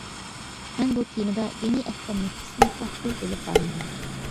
مەن بۇ تېمىدا دىنىي ئەھكام نۇقتىسىدىن تەھلىل ئېلىپ بارمىدىم.